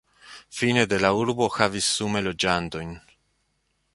Fine de la urbo havis sume loĝantojn.